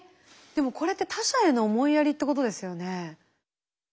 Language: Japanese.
でもこれって他者への思いやりってことですよね。